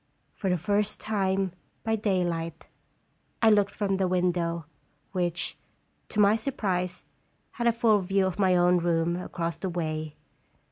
For the first time by daylight I looked from the window, which, to my sur prise, had a full view of my own room across the way.